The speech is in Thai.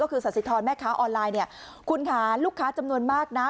ก็คือสภแม่ข้าวออนไลน์คุณค่ะลูกค้าจำนวนมากนะ